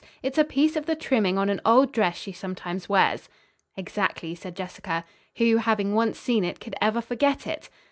"It's a piece of the trimming on an old dress she sometimes wears." "Exactly," said Jessica. "Who, having once seen it could ever forget it?"